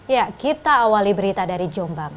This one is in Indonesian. ya kita awali berita dari jombang